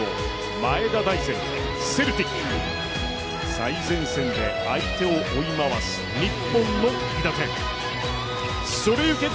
最前線で相手を追い回し日本のいだてん。